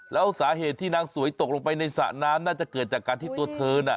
แล้วสาเหตุที่นางสวยตกลงไปในสระน้ำน่าจะเกิดจากการที่ตัวเธอน่ะ